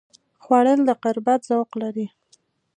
خوړل د قربت ذوق لري